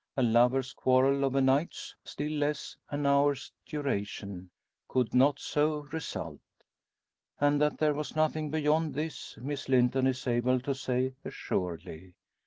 A lover's quarrel of a night's, still less an hour's duration, could not so result. And that there was nothing beyond this Miss Linton is able to say assuredly.